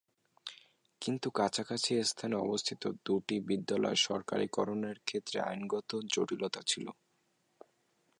কিন্তু কাছাকাছি স্থানে অবস্থিত দুটি বিদ্যালয় সরকারীকরণের ক্ষেত্রে আইনগত জটিলতা ছিল।